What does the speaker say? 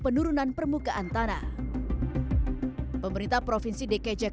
agar dapat mengetahui video sel sebagai seru